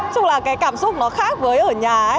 tức là cái cảm xúc nó khác với ở nhà